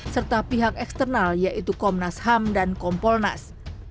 serta pihak eksternal yaitu komnas ham dan kompolnas